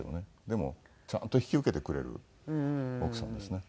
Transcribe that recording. でもちゃんと引き受けてくれる奥さんですね。